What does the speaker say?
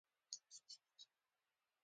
وسپاسیان مخترع کس ونه واژه.